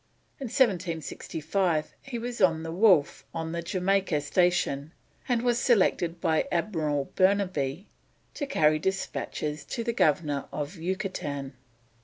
In 1765 he was on the Wolf on the Jamaica station, and was selected by Admiral Burnaby to carry despatches to the Governor of Yucatan.